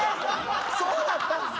そうだったんですか？